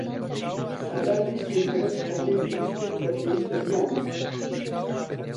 سارا لیستێکی ئەو شتانەی دروست کرد کە پێویستە بیانکڕێت.